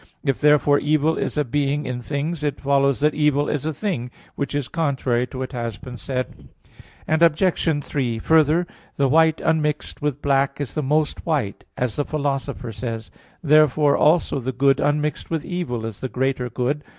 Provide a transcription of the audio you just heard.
If therefore evil is a being in things, it follows that evil is a thing, which is contrary to what has been said (A. 1). Obj. 3: Further, "the white unmixed with black is the most white," as the Philosopher says (Topic. iii, 4). Therefore also the good unmixed with evil is the greater good.